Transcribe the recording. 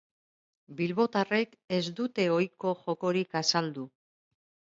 Bilbotarrek ez dute ohiko jokorik azaldu.